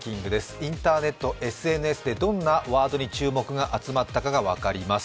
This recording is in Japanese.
インターネット、ＳＮＳでどんなワードに注目が集まったかが分かります。